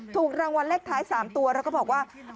ถูกรางวัลเลขท้าย๓ตัวแล้วก็บอกว่า